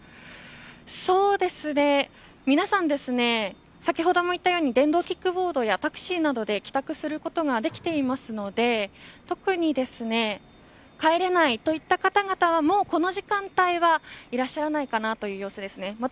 皆さん、先ほども言ったように電動キックボードやタクシーで帰宅することができていますので特に帰れないといった方々はもうこの時間帯はいらっしゃらないという様子です。